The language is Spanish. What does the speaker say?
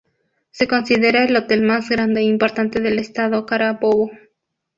Se considera el hotel más grande e importante del Estado Carabobo.